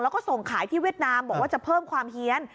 แล้วก็ส่งขายที่เวียดนามบอกว่าจะเพิ่มความเฮียน